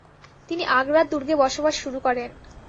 তিনি আগ্রার দুর্গে বসবাস শুরু করেন।